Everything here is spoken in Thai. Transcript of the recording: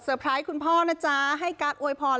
สเตอร์ไพรท์คุณพ่อนะจ๊ะให้กลั๊กโวยพร